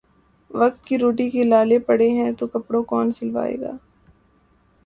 وقت کی روٹی کے لالے پڑے ہیں تو کپڑے کون سلوائے گا